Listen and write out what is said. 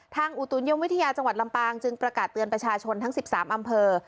อุตุนิยมวิทยาจังหวัดลำปางจึงประกาศเตือนประชาชนทั้ง๑๓อำเภอ